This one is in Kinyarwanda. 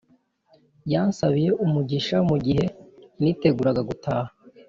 Yansabiye umugisha mugihe niteguraga gutaha